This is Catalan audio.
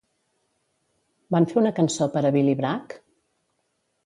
Van fer una cançó per a Billy Bragg?